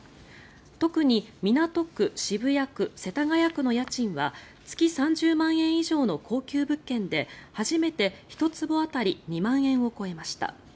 特に港区、渋谷区、世田谷区の家賃は月３０万円以上の高級物件で初めて１坪当たり２万円を超えました。